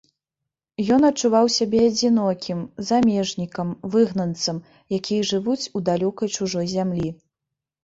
Ён адчуваў сябе адзінокім, замежнікам, выгнанцам, якія жывуць у далёкай чужой зямлі.